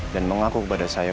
dan mengaku kepada saya